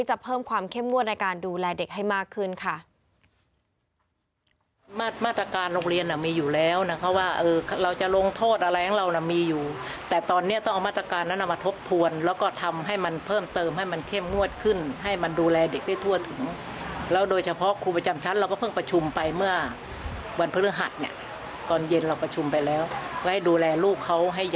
จะเพิ่มความเข้มงวดในการดูแลเด็กให้มากขึ้นค่ะ